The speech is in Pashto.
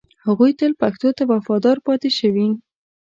هغوی تل پښتو ته وفادار پاتې شوي